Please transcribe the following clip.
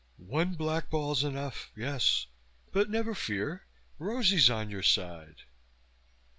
"One blackball's enough, yes, but never fear. Rosie's on your side."